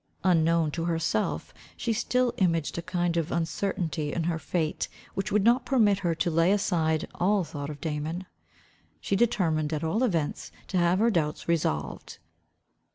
Unknown to herself she still imaged a kind of uncertainty in her fate which would not permit her to lay aside all thought of Damon. She determined at all events, to have her doubts resolved.